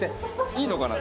いいのかな？